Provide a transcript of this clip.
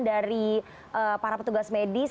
dari para petugas medis